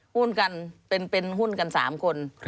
หุ้นกันเป็นหุ้นกัน๓คน